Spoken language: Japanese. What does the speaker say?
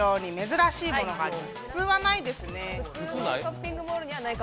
普通はないですね。